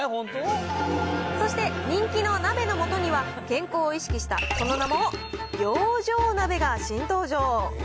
そして人気の鍋のもとには健康を意識した、その名も養生鍋が新登場。